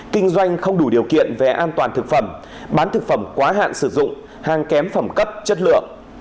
kinh doanh không đủ điều kiện về an toàn thực phẩm bán thực phẩm quá hạn sử dụng hàng kém phẩm chất lượng